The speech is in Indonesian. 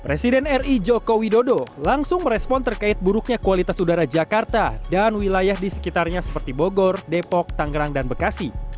presiden ri joko widodo langsung merespon terkait buruknya kualitas udara jakarta dan wilayah di sekitarnya seperti bogor depok tangerang dan bekasi